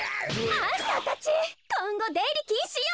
あんたたちこんごでいりきんしよ！